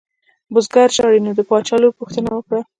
بزګر ژاړي نو د باچا لور پوښتنه وکړه.